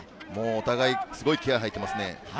お互いすごい気合いが入っていますね。